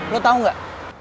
lo tau nggak